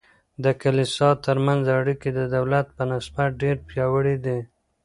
د کلیسا ترمنځ اړیکې د دولت په نسبت ډیر پیاوړي دي.